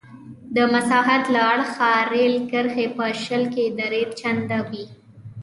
د مساحت له اړخه رېل کرښې په شل کې درې چنده وې.